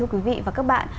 quý vị và các bạn